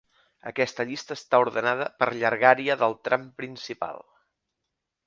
Aquesta llista està ordenada per llargària del tram principal.